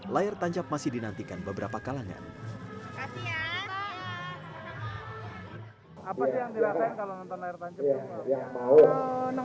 layar tancap masih dinantikan beberapa kalangan